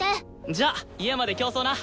じゃあ家まで競争な。